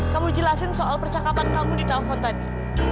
kamu jelasin soal percakapan kamu di telepon tadi